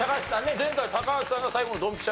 前回高橋さんが最後のドンピシャ